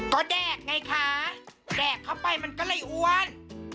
ก็แดกไงคะแดกเข้าไปมันก็เลยอ้วน